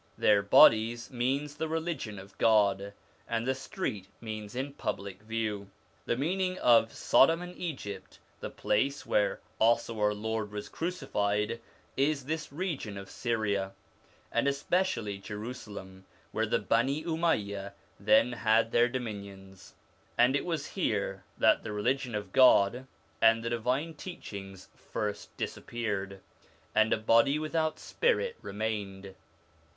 'Their bodies' means the Religion of God, and ' the street ' means in public view. The meaning of ' Sodom and Egypt,' the place ' where also our Lord was crucified/ is this region of Syria, and especially Jerusalem, where the Bani Umayya then had their dominions; and it was here that the Religion of God and the divine teachings first disappeared, and a body without spirit remained.